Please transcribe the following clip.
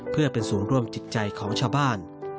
เพื่อเป็นศูนย์ร่วมจิตใจของชาวบ้าน